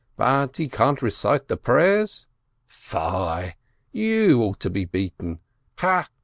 But he can't recite the prayers? Fie ! You ought to be beaten ! Ha